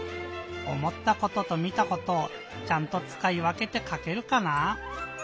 「おもったこと」と「見たこと」をちゃんとつかいわけてかけるかな？